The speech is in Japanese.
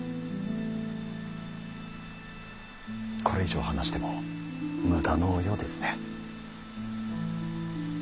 これ以上話しても無駄のようですね。